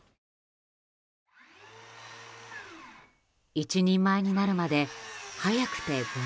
一人前になるまで早くて５年。